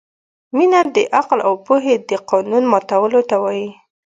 مینه د عقل او پوهې د قانون ماتولو ته وايي.